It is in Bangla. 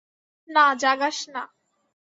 না, জাগাস না।